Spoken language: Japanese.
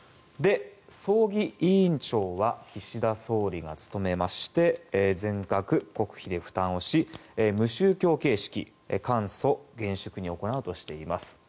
葬儀委員長は岸田総理が務めまして全額国費で負担し無宗教形式で簡素・厳粛に行うとしています。